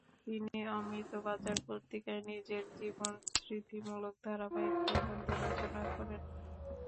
তিনি অমৃতবাজার পত্রিকায় নিজের জীবনস্মৃতিমূলক ধারাবাহিক প্রবন্ধ রচনা করেন।